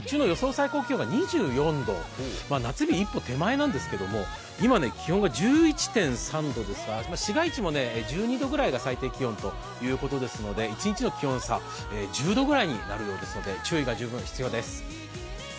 最高気温が２４度、夏日一歩手前なんですが、今、気温は１１．２度、市街地も１２度ぐらいが最低気温ということですので、一日の気温差１０度ぐらいになるようですので十分注意が必要です。